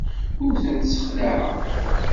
Ur tent-ssexlaɛeɣ.